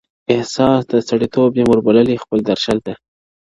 احساس د سړیتوب یم ور بللی خپل درشل ته,